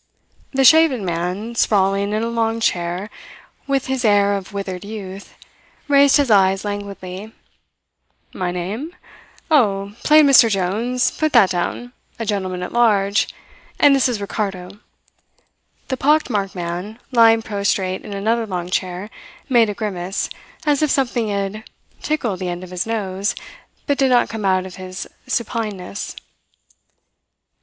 The shaven man, sprawling in a long chair, with his air of withered youth, raised his eyes languidly. "My name? Oh, plain Mr. Jones put that down a gentleman at large. And this is Ricardo." The pock marked man, lying prostrate in another long chair, made a grimace, as if something had tickled the end of his nose, but did not come out of his supineness.